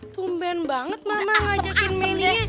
tumben banget mama ngajakin mili